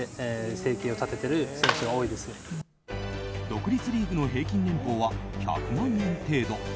独立リーグの平均年俸は１００万円程度。